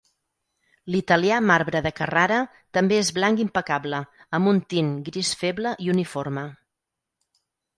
L'italià marbre de Carrara també és blanc impecable, amb un tint gris feble i uniforme.